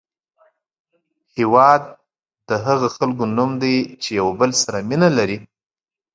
هېواد د هغو خلکو نوم دی چې یو بل سره مینه لري.